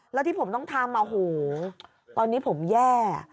แล้วที่ผมต้องทำโอ้โหตอนนี้ผมแย่